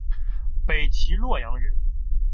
北齐洛阳人。